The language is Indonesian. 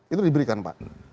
itu diberikan pak